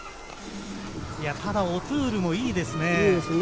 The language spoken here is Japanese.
ただ、オトゥールもいいですね。